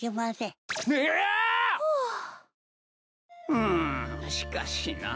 うんしかしなぁ。